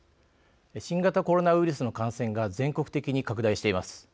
新型コロナウイルスの感染が全国的に拡大しています。